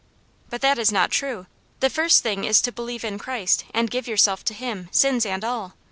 " But that is not true. The first thing is to believe in Christ, and give yourself to Him, sins and all.